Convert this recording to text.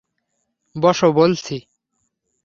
বসো বলছি!